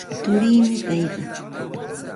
Turiimi payqa.